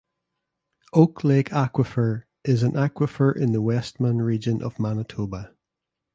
Oak Lake Aquifer is an aquifer in the Westman Region of Manitoba.